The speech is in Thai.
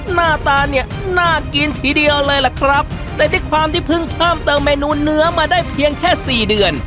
หน้าตาเนี่ยน่ากินทีเดียวเลยล่ะครับแต่ด้วยความที่เพิ่งเพิ่มเติมเมนูเนื้อมาได้เพียงแค่สี่เดือน